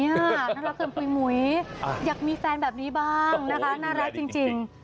น่ารักเกินปุ๋ยหมุยอยากมีแฟนแบบนี้บ้างนะคะน่ารักจริง